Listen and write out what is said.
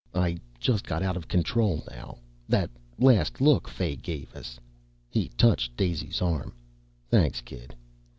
"I just got out of control now that last look Fay gave us." He touched Daisy's arm. "Thanks, kid."